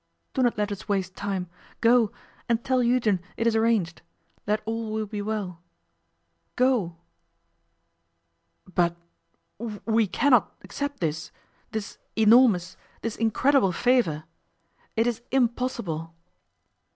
Do not let us waste time. Go and tell Eugen it is arranged, that all will be well. Go!' 'But we cannot accept this this enormous, this incredible favour. It is impossible.